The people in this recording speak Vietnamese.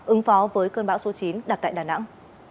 ứng phó với cơn bão số chín đặt tại đà nẵng